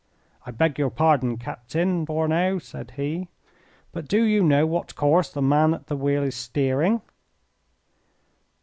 "I beg your pardon, Captain Fourneau," said he. "But do you know what course the man at the wheel is steering?"